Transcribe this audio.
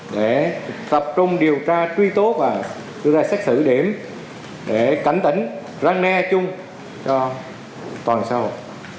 để tập trung điều tra truy tố và đưa ra xét xử điểm để cảnh tỉnh răng đe chung cho toàn xã hội